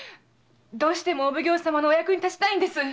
どうしてもお奉行様のお役に立ちたいんです！